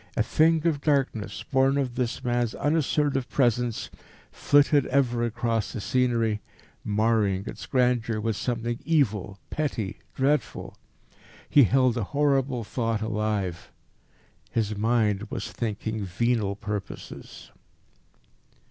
A thing of darkness, born of this man's unassertive presence, flitted ever across the scenery, marring its grandeur with something evil, petty, dreadful. He held a horrible thought alive. His mind was thinking venal purposes.